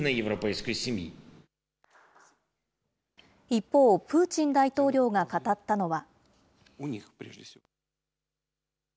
一方、プーチン大統領が語ったのは。